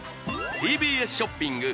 ＴＢＳショッピング